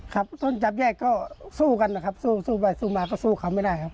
ครับต้นจับแยกก็สู้กันนะครับสู้ไปสู้มาก็สู้เขาไม่ได้ครับ